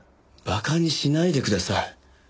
バカにしないでください。